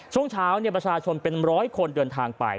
ช่วงเช้าประชาชนเป็นร้อยคนเดินทางไป